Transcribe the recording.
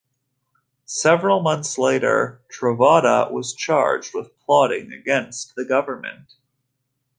Several months later, Trovoada was charged with plotting against the government.